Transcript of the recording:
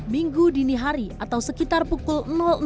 minggu dini hari atau sekitar pukul tiga puluh